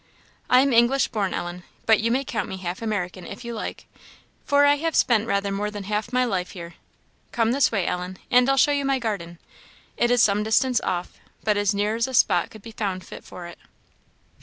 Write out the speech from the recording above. "I am English born, Ellen, but you may count me half American, if you like, for I have spent rather more than half my life here. Come this way, Ellen, and I'll show you my garden. It is some distance off, but as near as a spot could be found fit for it."